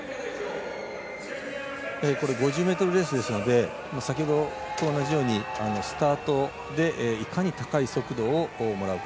５０ｍレースですので先ほどと同じようにスタートでいかに高い速度をもらうか。